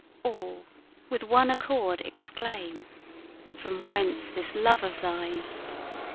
All with one accord exclaim: "From whence this love of thine?"